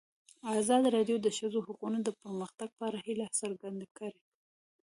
ازادي راډیو د د ښځو حقونه د پرمختګ په اړه هیله څرګنده کړې.